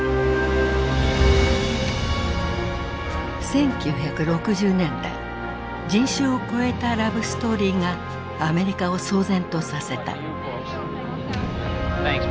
１９６０年代人種を越えたラブストーリーがアメリカを騒然とさせた。